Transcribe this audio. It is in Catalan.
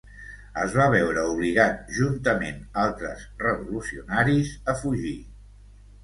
Es va veure obligat juntament altres revolucionaris a fugir.